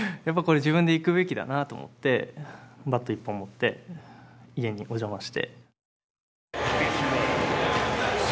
やっぱこれ自分で行くべきだなと思ってバット１本持って家にお邪魔して。